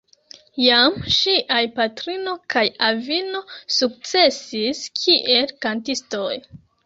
Jam ŝiaj patrino kaj avino sukcesis kiel kantistoj.